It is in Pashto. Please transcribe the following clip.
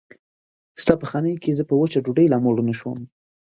ستا په خانۍ کې زه په وچه ډوډۍ لا موړ نه شوم.